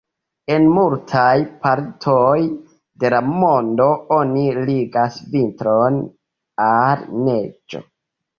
En multaj partoj de la mondo, oni ligas vintron al neĝo.